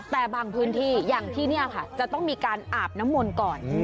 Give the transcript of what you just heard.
แต่บางพื้นที่อย่างที่นี่ค่ะจะต้องมีการอาบน้ำมนต์ก่อน